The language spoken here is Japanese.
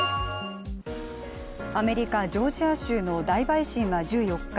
アメリカ・ジョージア州の大陪審は１４日